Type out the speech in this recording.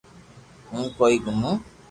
ھون ڪوئي گومو